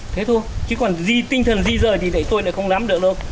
thế thôi chứ còn di tinh thần di rời thì thấy tôi lại không nắm được đâu